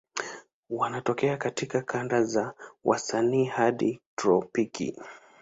Wanatokea katika kanda za wastani hadi tropiki.